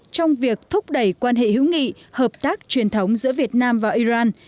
trong việc thúc đẩy quan hệ hữu nghị hợp tác truyền thống giữa việt nam và iran